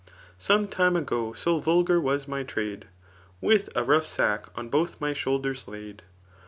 Some time igo so yulgaur was mj trade. With a rough sack on both my shoulders laid.